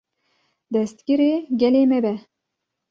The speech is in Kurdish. destgirê gelê me be!